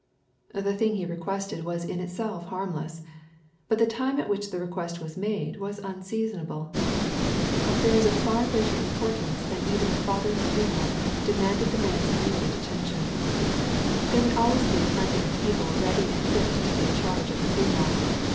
— The thing he requested was in itself harmless. But the time at which the request was made was unseasonable. Affairs of far greater importance than even a father's funeral demanded the man's immediate attention, There would always be plenty of people ready and fit to take charge of a funeral.